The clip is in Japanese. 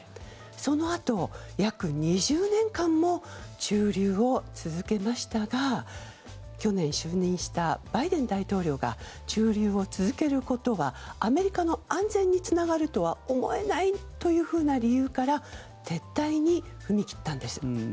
そのあと約２０年間も駐留を続けましたが去年就任したバイデン大統領が駐留を続けることはアメリカの安全につながるとは思えないというふうな理由から撤退に踏み切ったんです。